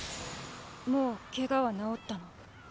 もう怪我は治ったの？